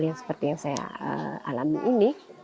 di sekolah terpencil yang seperti yang saya alami ini